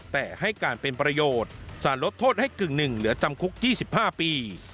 แต่ให้การเป็นประโยชน์สารลดโทษให้กึ่งหนึ่งเหลือจำคุก๒๕ปี